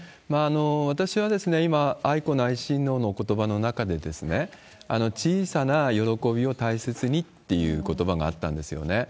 私は今、愛子内親王のおことばの中で、小さな喜びを大切にっていうことばがあったんですよね。